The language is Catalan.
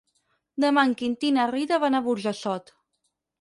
Demà en Quintí i na Rita van a Burjassot.